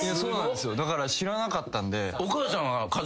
だから知らなかったんで。